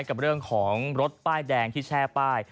กับเรื่องของรถป้ายแดงที่แช่ป้าย